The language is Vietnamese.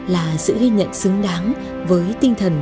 là sự ghi nhận xứng đáng với tinh thần